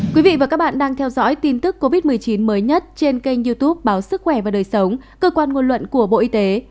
quý vị và các bạn đang theo dõi tin tức covid một mươi chín mới nhất trên kênh youtube báo sức khỏe và đời sống cơ quan ngôn luận của bộ y tế